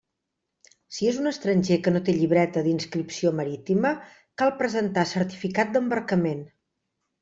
Si és un estranger que no té Llibreta d'inscripció marítima, cal presentar certificat d'embarcament.